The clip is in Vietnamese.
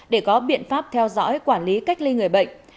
để có biện pháp theo dõi quản lý cách ly người bệnh